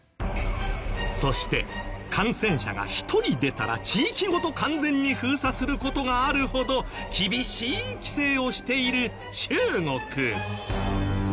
そして感染者が１人出たら地域ごと完全に封鎖する事があるほど厳しい規制をしている中国。